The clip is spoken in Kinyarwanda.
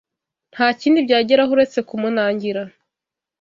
nta kindi byageraho uretse kumunangira